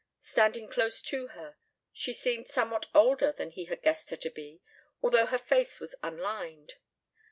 Standing close to her, she seemed somewhat older than he had guessed her to be, although her face was unlined.